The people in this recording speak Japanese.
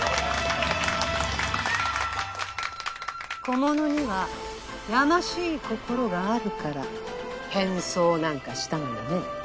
小物にはやましい心があるから変装なんかしたのよね。